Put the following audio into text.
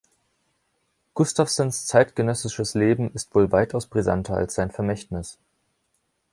Gustavsens zeitgenössisches Leben ist wohl weitaus brisanter als sein Vermächtnis.